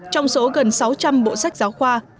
trong số gần sáu trăm linh bộ sách giáo khoa